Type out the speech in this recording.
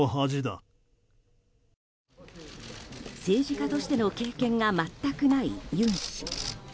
政治家としての経験が全くない尹氏。